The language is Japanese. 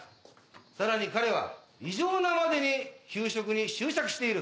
さらに彼は異常なまでに給食に執着している。